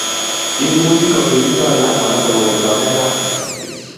imuchi ko kikichor lakwanoto kowektogei gaa